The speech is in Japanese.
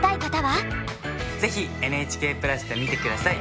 ぜひＮＨＫプラスで見て下さい！